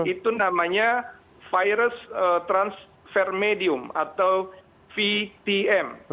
itu namanya virus transfer medium atau vtm